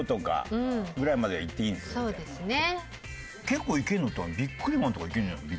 結構いけるのってビックリマンとかいけるんじゃない？